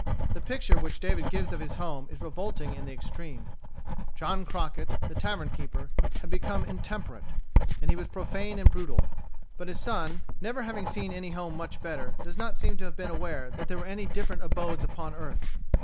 The picture which David gives of his home is revolting in the extreme. John Crockett, the tavern keeper, had become intemperate, and he was profane and brutal. But his son, never having seen any home much better, does not seem to have been aware that there were any different abodes upon earth.